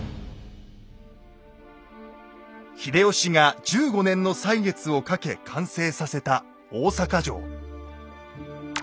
秀吉が１５年の歳月をかけ完成させた大坂城。